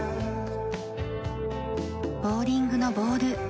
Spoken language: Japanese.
ボウリングのボール。